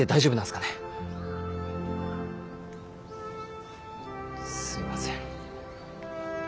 すいません。